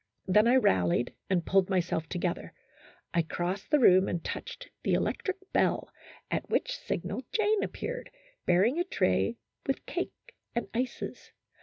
Then I rallied and pulled myself together. I crossed the room and touched the electric bell, at which signal Jane appeared, bearing a tray with cake and ices.